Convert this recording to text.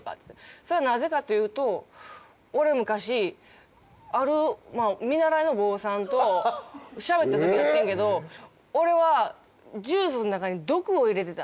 それはなぜかというと俺昔ある見習いの坊さんとしゃべったときあってんけど俺はジュースの中に毒を入れてた。